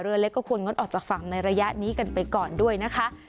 เรือเล็กก็ควรงดออกจากฝั่งในระยะนี้กันไปก่อนด้วยนะคะ